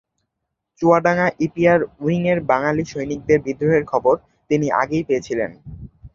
Chuadanga EPR উইংয়ের বাঙালি সৈনিকদের বিদ্রোহের খবর তিনি আগেই পেয়েছিলেন।